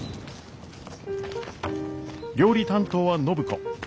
料理担当は暢子。